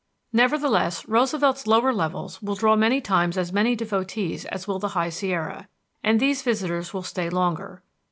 Nevertheless, Roosevelt's lower levels will draw many times as many devotees as will the High Sierra; and these visitors will stay longer.